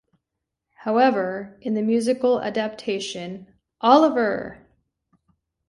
However, in the musical adaptation, Oliver!